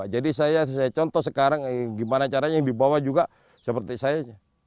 jadi saya contoh sekarang gimana caranya dibawa juga seperti saya